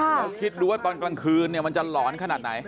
แล้วคิดดูว่าตอนกลางคืนมันจะหลอนขนาดไหน